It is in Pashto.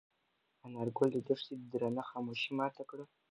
انارګل د دښتې درنه خاموشي ماته کړه.